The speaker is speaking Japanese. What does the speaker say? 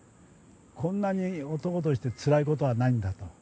こんなに男としてつらいことはないんだと。